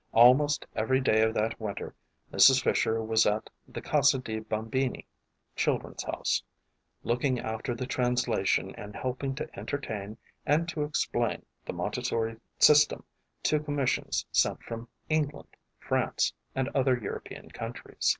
Almost every day of that win ter Mrs. Fisher was at the Casa di Bambini (Chil dren's House) looking after the translation and help ing to entertain and to explain the Montessori system to commissions sent from England, France and other DOROTHY CANFIELD FISHER 303 European countries.